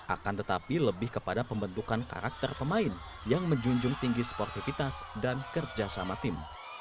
akan tetapi lebih kepada pembentukan karakter pemain yang menjunjung tinggi sportivitas dan kerjasama tim